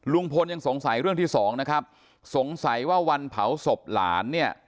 ลุงพลยังสงสัยเรื่องที่สองนะครับสงสัยว่าวันเผาศพหลานเนี่ย